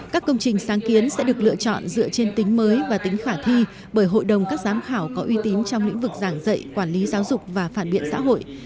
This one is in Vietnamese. các công trình sáng kiến sẽ được lựa chọn dựa trên tính mới và tính khả thi bởi hội đồng các giám khảo có uy tín trong lĩnh vực giảng dạy quản lý giáo dục và phản biện xã hội